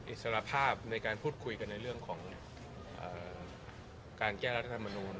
อิสรภาพในการพูดคุยกันในเรื่องของการแก้รัฐธรรมนูล